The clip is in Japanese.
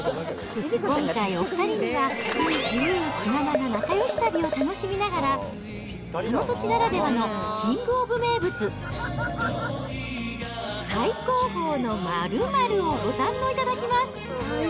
今回お２人には、自由気ままな仲よし旅を楽しみながら、その土地ならではのキング・オブ・名物、最高峰の○○をご堪能いただきます。